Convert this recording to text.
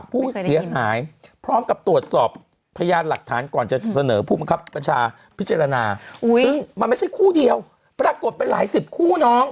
ครับปัญชาพิจารณาซึ่งมันไม่ใช่คู่เดียวปรากฏเป็นหลายสิบคู่น้อง